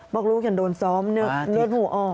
บอกลูกอย่างโดนซ้อมนี่ลดหัวออก